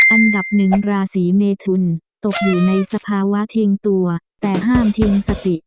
อันดับหนึ่งราศีเมทุนตกอยู่ในสภาวะทิ้งตัวแต่ห้ามทิ้งสติ